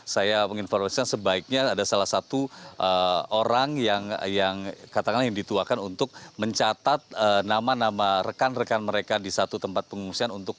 saya menginformasikan sebaiknya ada salah satu orang yang katakanlah yang dituakan untuk mencatat nama nama rekan rekan mereka di satu tempat pengungsian